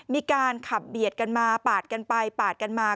มีการขับเบียดกันมาปาดกันไปปาดกันมา